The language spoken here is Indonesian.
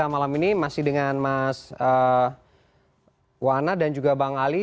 masih dengan mas wana dan juga bang ali